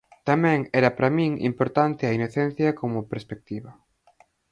Tamén era para min importante a inocencia como perspectiva.